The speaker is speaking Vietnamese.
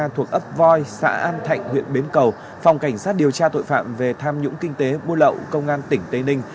thuộc ấp voi xã an thạnh huyện bến cầu phòng cảnh sát điều tra tội phạm về tham nhũng kinh tế buôn lậu công an tỉnh tây ninh